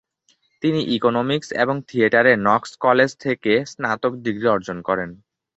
তিনি ইকোনমিক্স এবং থিয়েটারে নক্স কলেজ থেকে স্নাতক ডিগ্রি অর্জন করেন।